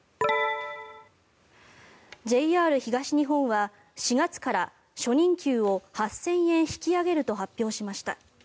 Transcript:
ＪＲ東日本は４月から初任給を８０００円引き上げると発表しました。